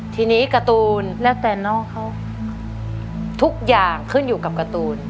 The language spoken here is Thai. ทีนี้การ์ตูนแล้วแต่น้องเขาทุกอย่างขึ้นอยู่กับการ์ตูน